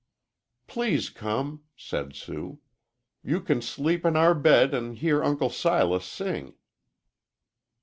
"Please come," said Sue. "You can sleep in our bed an' hear Uncle Silas sing."